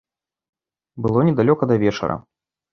Было недалёка да вечара.